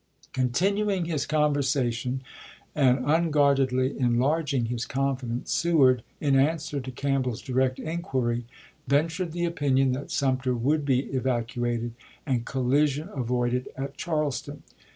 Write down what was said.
Continuing his conversation and unguardedly en larging his confidence, Seward, in answer to Camp bell's direct inquiry, ventured the opinion that Sumter would be evacuated and collision avoided at Charleston.